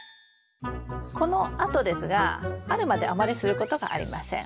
このあとですが春まであまりすることがありません。